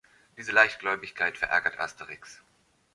Diese Leichtgläubigkeit verärgert Asterix.